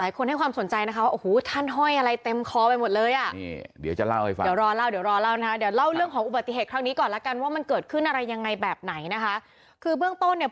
คนให้ความสนใจนะคะว่าโอ้โหท่านห้อยอะไรเต็มคอไปหมดเลยอ่ะ